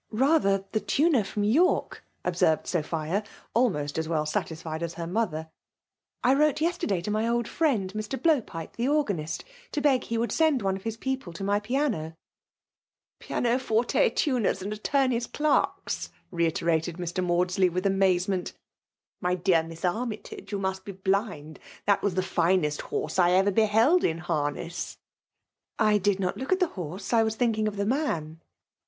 '' Rather, the tuner from York," observed Sophia, almost as well satisfied as her mother ;*' I wrote yesterday to my old friend, Mr. Blow pipe, the organist, to beg he would send one of his people to my piano." Pitao forte tuners and attdriiey^s clerks ! FEMALE DOMlNAIiOK. 169 reiterated Mr. Maudsky mth amaa^ement *' My dear Miss Armytage, you must be blind : that was the finest horse I ever beheld in har ness/* " I did not look at the horse, I was thinking of the man."